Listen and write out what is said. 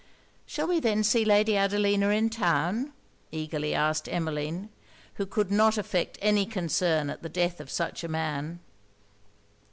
'Shall we then see Lady Adelina in town?' eagerly asked Emmeline, who could not affect any concern at the death of such a man.